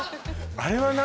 あれは何？